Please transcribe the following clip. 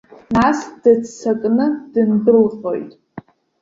Нас дыццакны дындәылҟьоит.